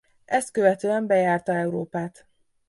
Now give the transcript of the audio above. Ezt követően bejárta Európát.